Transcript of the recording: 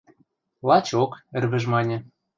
— Лачок, — ӹрвӹж маньы.